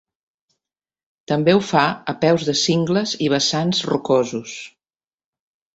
També ho fa a peus de cingles i vessants rocosos.